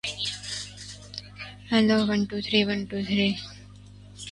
Strict construction requires a judge to apply the text only as it is written.